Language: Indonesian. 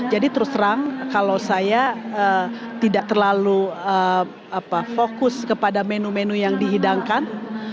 jadi terus terang kalau saya tidak terlalu fokus kepada menu menu yang dihidangkan